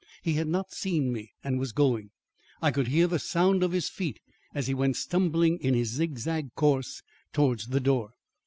He had not seen me and was going. I could hear the sound of his feet as he went stumbling in his zigzag course towards the door.